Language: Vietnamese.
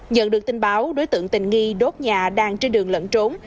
nhận được tin báo đối tượng tình nghi đốt nhà đang trên đường lẫn trốn